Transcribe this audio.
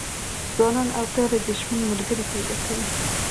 ځوانان او پېغلې د ژوند ملګري پیدا کوي.